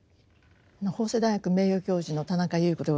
法政大学名誉教授の田中優子でございます。